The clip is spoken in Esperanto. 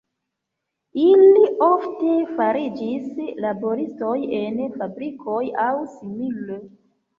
Ili ofte fariĝis laboristoj en fabrikoj aŭ simile.